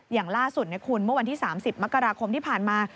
อย่างล่าสุดนะคุณเมื่อวันที่๓๐มกราคมที่ผ่านมา